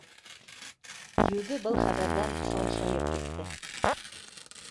-Йөҙө был хәбәрҙән салшайып китте.